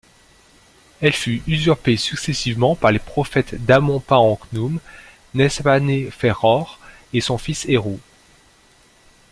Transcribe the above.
Elle fut usurpée successivement par les prophètes d'Amon Pa-en-Khnoum, Nespanéferhor et son fils Herou.